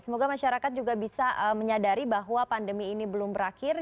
semoga masyarakat juga bisa menyadari bahwa pandemi ini belum berakhir